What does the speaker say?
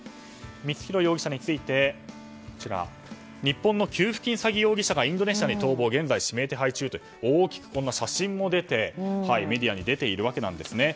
光弘容疑者について日本の給付金詐欺容疑者がインドネシアに逃亡現在、指名手配中と写真も出てメディアに出ているわけなんですね。